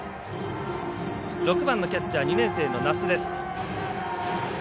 ６番のキャッチャー２年生の奈須です。